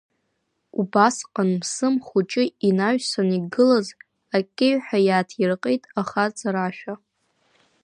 Убасҟан Мсым Хәыҷы инаҩсан игылаз акеҩҳәа иааҭирҟьеит ахаҵа рашәа…